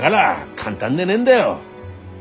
簡単でねえんだよ